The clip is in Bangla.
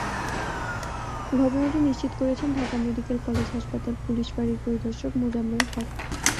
ঘটনাটি নিশ্চিত করেছেন ঢাকা মেডিকেল কলেজ হাসপাতাল পুলিশ ফাঁড়ির পরিদর্শক মোজাম্মেল হক।